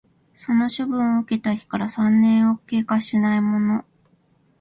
その処分を受けた日から三年を経過しないもの